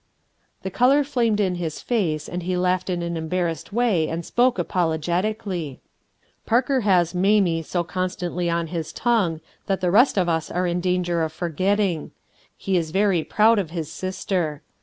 The color flamed in his face and he laughed in an embarrassed way and spoke apologetically :— "Parker has 'Mamie' so constantly on his tongue that the rest of us are in danger of forgetting. He is very proud of his sister.